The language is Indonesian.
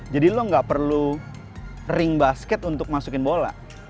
jadi lo gak perlu ring basket untuk masukin bola